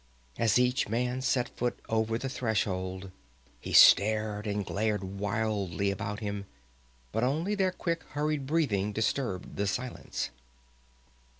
As each man set foot over the threshold he stared and glared wildly about him. But only their quick, hurried breathing disturbed the silence.